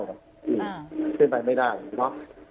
เป็นไปไม่ได้